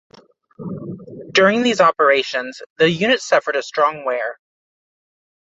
During these operations the unit suffered a strong wear.